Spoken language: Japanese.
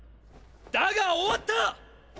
だが終わった！！